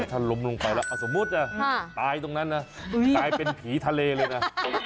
ถ้าลุมลงไปแล้วเอาสมมติตายตรงนั้นตายเป็นผีทะเลเลยนะ